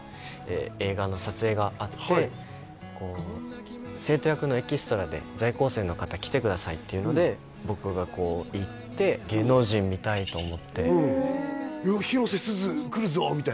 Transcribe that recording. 映画の撮影があってこう生徒役のエキストラで在校生の方来てくださいっていうので僕がこう行って芸能人見たいと思ってうんいや広瀬すず来るぞみたいな？